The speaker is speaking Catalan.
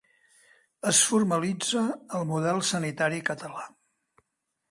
Es formalitza el model sanitari català.